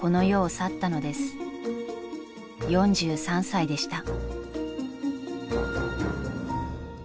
［４３歳でした］